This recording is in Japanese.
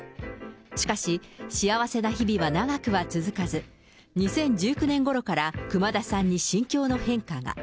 しかし、幸せな日々は長くは続かず、２０１９年ごろから、熊田さんに心境の変化が。